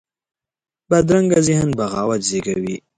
بدرنګه ذهن بغاوت زېږوي